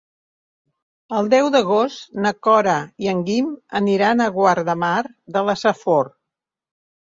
El deu d'agost na Cora i en Guim aniran a Guardamar de la Safor.